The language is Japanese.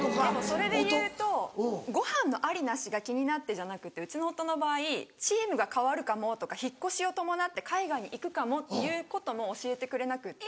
それでいうとご飯のありなしが気になってじゃなくてうちの夫の場合チームが変わるかもとか引っ越しを伴って海外に行くかもっていうことも教えてくれなくって。